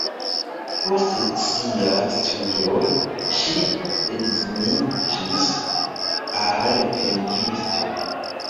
Post siaj studoj ŝi edziniĝis al pentristo.